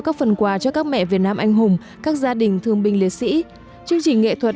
các phần quà cho các mẹ việt nam anh hùng các gia đình thương binh liệt sĩ chương trình nghệ thuật